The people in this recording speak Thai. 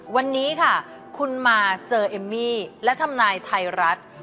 วันนี้ค่ะคุณมาเจอเอมมี่และทำนายไทยรัฐ